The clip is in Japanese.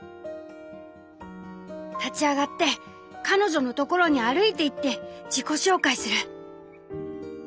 「立ち上がって彼女のところに歩いていって自己紹介する」。